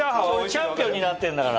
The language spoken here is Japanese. チャンピオンになってんだから。